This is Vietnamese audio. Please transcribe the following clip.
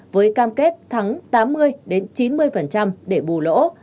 với cam kết thắng tám mươi chín mươi để bù lỗ